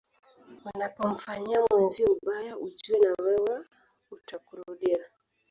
Unapomfanyia mwenzio ubaya ujue na wewe utakurudia